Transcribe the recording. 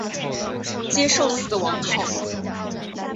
接受死亡好吗？